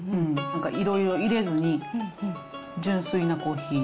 なんか、いろいろ入れずに純粋なコーヒー。